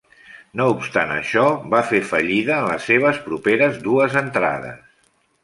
No obstant això, va fer fallida en les seves properes dues entrades.